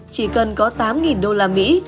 chỉ cần có tám đô la mỹ